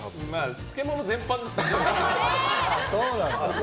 漬物全般ですね。